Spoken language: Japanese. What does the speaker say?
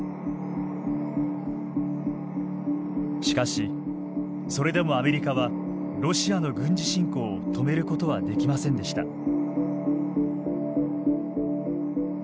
しかし、それでもアメリカはロシアの軍事侵攻を止めることはできませんでした。